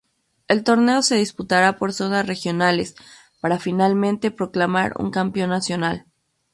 El torneo se disputará por zonas regionales, para finalmente proclamar un campeón nacional.